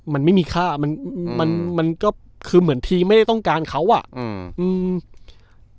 มันไม่มีค่ามันอืมมันมันก็คือเหมือนทีมไม่ได้ต้องการเขาอ่ะอืมอืม